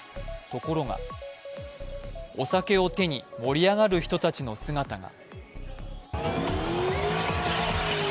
ところがお酒を手に盛り上がる人たちの姿が。